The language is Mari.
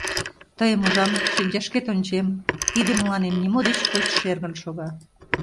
Тыйым ужам, шинчашкет ончем — тиде мыланем нимо деч коч шергын шога.